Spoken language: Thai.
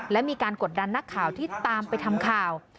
และมีการกดดันนักข่าวที่ตามไปทำข่าว